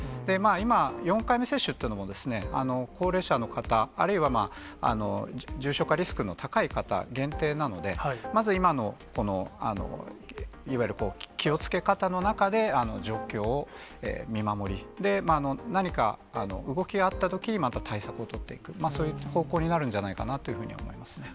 今、４回目接種っていうのも、高齢者の方、あるいは重症化リスクの高い方、限定なので、まず今の、いわゆる気をつけ方の中で、状況を見守り、何か、動きがあったときにまた対策を取っていく、そういう方向になるんじゃないかなとは思いますね。